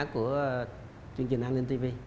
của chương trình an linh tv